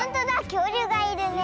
きょうりゅうがいるね。